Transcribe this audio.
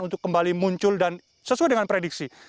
untuk kembali muncul dan sesuai dengan prediksi